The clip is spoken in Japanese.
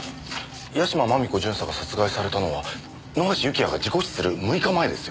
屋島真美子巡査が殺害されたのは野橋幸也が事故死する６日前ですよ。